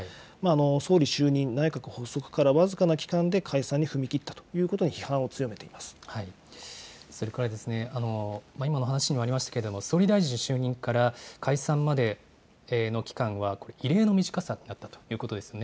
総理就任、内閣発足から僅かな期間で解散に踏み切ったということそれから、今の話にもありましたけれども、総理大臣就任から解散までの期間は、異例の短さだったということですね。